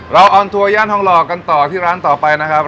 ออนทัวร์ย่านทองหล่อกันต่อที่ร้านต่อไปนะครับ